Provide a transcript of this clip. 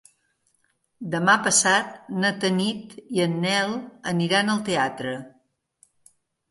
Demà passat na Tanit i en Nel aniran al teatre.